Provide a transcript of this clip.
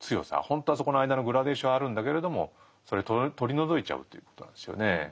ほんとはそこの間のグラデーションあるんだけれどもそれ取り除いちゃうということなんですよね。